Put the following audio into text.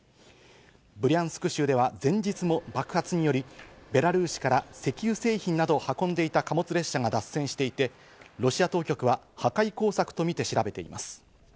ブリャンスク州では前日も爆発によりベラルーシから石油製品などを運んでいた貨物列車が脱線していて、ロシア当局は破壊工作とみて調べています。